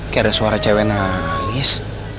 kira suara cewek nangis